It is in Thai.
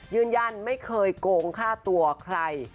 ยืนยันไม่เคยโกงฆ่าตัวใคร